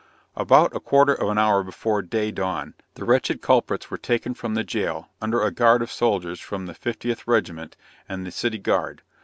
About a quarter of an hour before day dawn, the wretched culprits were taken from the jail, under a guard of soldiers from the 50th regiment, and the City Guard.